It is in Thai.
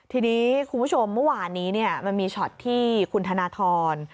ทีนี้คุณผู้ชมเมื่อวานนี้มันมีช็อตที่คุณธนทร